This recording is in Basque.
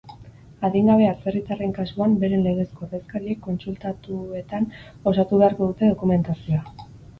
Adingabe atzerritarren kasuan, beren legezko ordezkariek kontsulatuetan osatu beharko dute dokumentazioa.